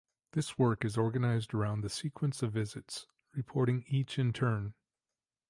This work is organized around the sequence of visits, reporting each in turn.